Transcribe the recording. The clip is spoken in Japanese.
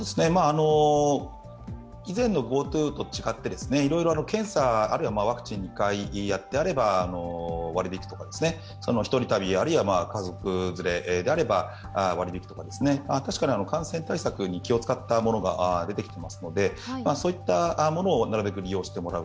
以前のＧｏＴｏと違って検査あるいはワクチン２回やっていれば割り引くとか、１人旅、あるいは家族連れであれば割り引くとか確かに感染対策に気を使ったものが出てきていますのでそういったものをなるべく利用してもらう。